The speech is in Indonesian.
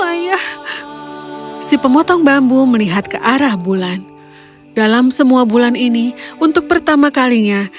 ayah si pemotong bambu melihat ke arah bulan dalam semua bulan ini untuk pertama kalinya